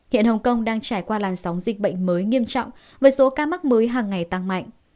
hiện hồng kông đang trải qua làn sóng dịch bệnh mới nghiêm trọng với số ca mắc mới hàng ngày tăng mạnh